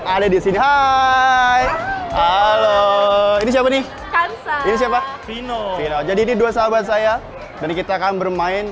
ada di sini hai halo ini siapa nih ini siapa fino jadi ini dua sahabat saya dan kita akan bermain